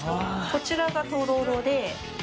こちらがとろろで。